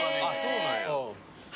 そうなんや。